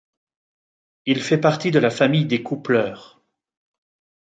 Il fait partie de la famille des coupleurs.